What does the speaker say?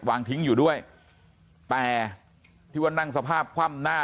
วางทิ้งอยู่ด้วยแต่ที่ว่านั่งสภาพคว่ำหน้า